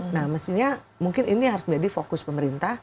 nah mestinya mungkin ini harus menjadi fokus pemerintah